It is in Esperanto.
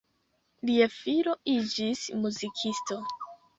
Lia filo iĝis muzikisto.